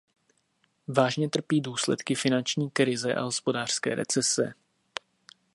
Vážně trpí důsledky finanční krize a hospodářské recese.